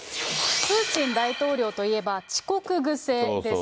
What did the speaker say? プーチン大統領といえば、遅刻癖です。